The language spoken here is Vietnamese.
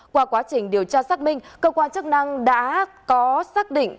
qua quá trình điều tra xác minh cơ quan chức năng đã có xác định